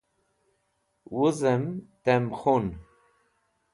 wuz'em tem khun